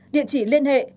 điện chỉ liên hệ